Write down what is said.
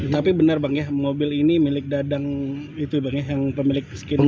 tapi benar bang ya mobil ini milik dadang itu bang ya yang pemilik skinan